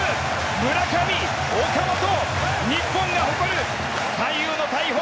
村上、岡本日本が誇る左右の大砲